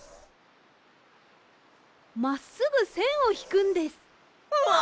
まっすぐせんをひくんです。わ！